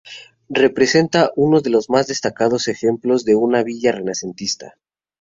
Representa uno de los más destacados ejemplos de una villa renacentista.